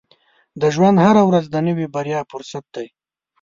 • د ژوند هره ورځ د نوې بریا فرصت دی.